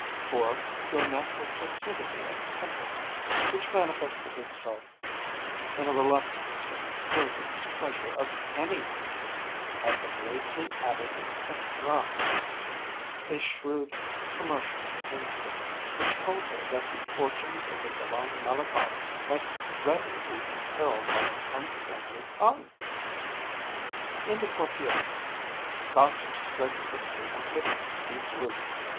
For, to a natural placidity of temperament, which manifested itself in a reluctance to incur the displeasure of any one, had been lately added in Espérance a shrewd commercial instinct, which told her that the fortunes of the Salon Malakoff might readily be imperilled by an unfriendly tongue. In the quartier, gossip spread quickly and took deep root.